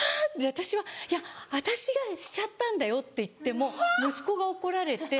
私は「私がしちゃったんだよ」って言っても息子が怒られて。